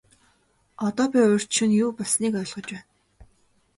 Одоо би урьд шөнө юу болсныг ойлгож байна.